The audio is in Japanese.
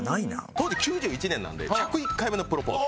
当時９１年なので『１０１回目のプロポーズ』。